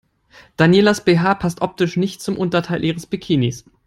Danielas BH passt optisch nicht zum Unterteil ihres Bikinis.